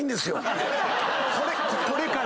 これから。